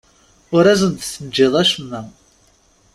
Ur asen-d-teǧǧiḍ acemma.